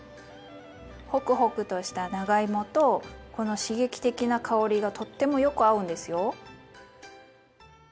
ホクホクとした長芋とこの刺激的な香りがとってもよく合うんですよ。